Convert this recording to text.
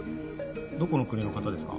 どこの国の方ですか？